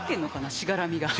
しがらみが。